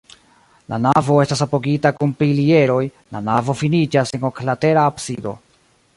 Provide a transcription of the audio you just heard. La navo estas apogita kun pilieroj, la navo finiĝas en oklatera absido.